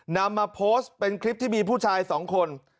นำมาโพสต์เป็นคลิปที่มีผู้ชายสองคน